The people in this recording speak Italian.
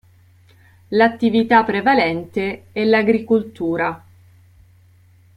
L'attività prevalente è l'agricoltura.